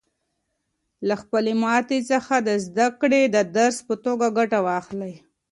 له خپلې ماتې څخه د زده کړې د درس په توګه ګټه واخلئ.